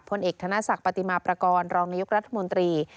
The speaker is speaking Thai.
ผลเอกธนศักดิ์ปฏิมาประกอบรองนายกรัฐมนตรี